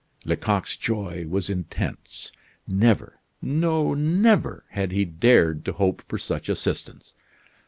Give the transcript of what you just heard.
Lecoq's joy was intense. Never, no never, had he dared to hope for such assistance.